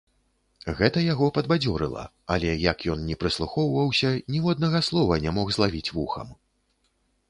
Гэта яго падбадзёрыла, але як ён ні прыслухоўваўся, ніводнага слова не мог злавіць вухам.